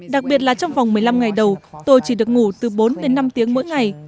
đặc biệt là trong vòng một mươi năm ngày đầu tôi chỉ được ngủ từ bốn đến năm tiếng mỗi ngày